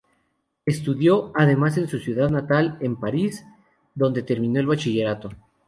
Estudió, además de en su ciudad natal, en París, donde terminó el bachillerato.